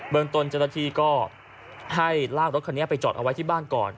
ตนเจ้าหน้าที่ก็ให้ลากรถคันนี้ไปจอดเอาไว้ที่บ้านก่อน